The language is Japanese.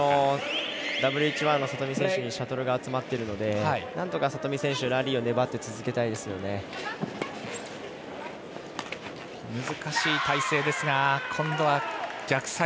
ＷＨ１の里見選手にシャトルが集まっているのでなんとか里見選手ラリーを続けてほしいです。